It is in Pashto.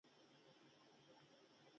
ایا ستاسو قباله به شرعي نه وي؟